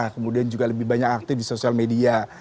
kemudian juga lebih banyak aktif di sosial media